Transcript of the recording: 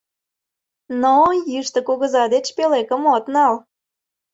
но Йӱштӧ Кугыза деч пӧлекым от нал.